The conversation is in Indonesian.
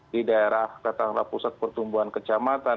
di daerah katakanlah pusat pertumbuhan kecamatan